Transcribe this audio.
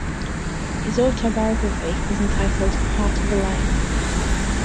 His autobiography is entitled "Heart of the Lion".